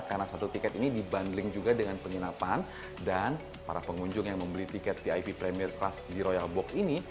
karena satu tiket ini dibundling juga dengan penginapan dan para pengunjung yang membeli tiket vip premier class di royal box ini